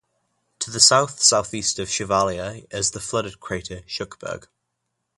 To the south-southeast of Chevallier is the flooded crater Shuckburgh.